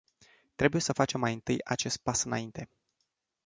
Trebuie să facem mai întâi acest pas înainte.